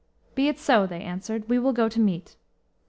"Be it so," they answered, "we will go to meat."